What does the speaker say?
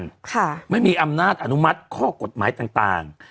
ค่ะไม่มีอำนาจอนุมัติข้อกฎหมายต่างต่าง